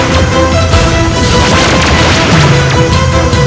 ini juga karena peran rai kian santan